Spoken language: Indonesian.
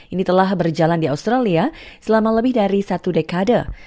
ini telah berjalan di australia selama lebih dari satu dekade